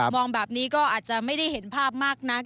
มองแบบนี้ก็อาจจะไม่ได้เห็นภาพมากนัก